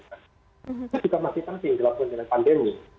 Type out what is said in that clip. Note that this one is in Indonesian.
itu juga masih penting dalam konteks pandemi